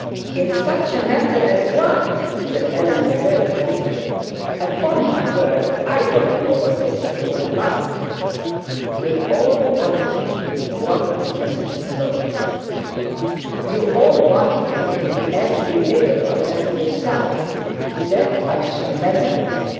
'In such a matter as what?' said Eleanor very testily. 'Upon my word I don't know what this is all about.' 'We all want you to drop Mr Slope.' 'You all want me to be illiberal as yourselves. That I shall never be.